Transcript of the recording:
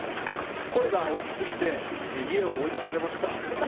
声が大きすぎて家を追い出されました。